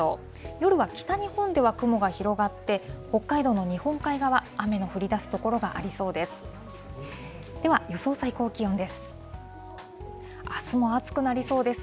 夜は北日本では雲が広がって、北海道の日本海側、雨の降りだす所がありそうです。